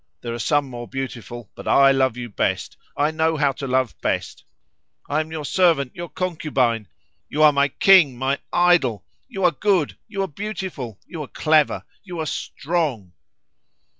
There are some more beautiful, but I love you best. I know how to love best. I am your servant, your concubine! You are my king, my idol! You are good, you are beautiful, you are clever, you are strong!"